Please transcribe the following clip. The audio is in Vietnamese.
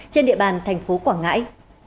trên địa bàn tp quảng ngãi